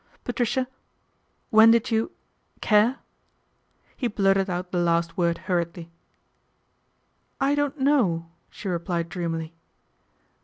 " Patricia, when did you care ?" he blurted out the last word hurriedly. " I don't know," she replied dreamily.